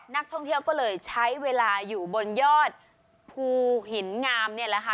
นักท่องเที่ยวก็เลยใช้เวลาอยู่บนยอดภูหินงามเนี่ยแหละค่ะ